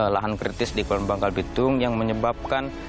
lahan kritis di kolam bangka belitung yang menyebabkan